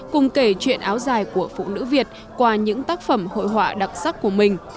cùng kể chuyện áo dài của phụ nữ việt qua những tác phẩm hội họa đặc sắc của mình